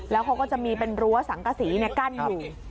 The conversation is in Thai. แล้วเขาก็จะมีเป็นรั้วสังกษีกั้นอยู่